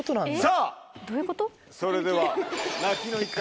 さぁそれでは泣きの一回。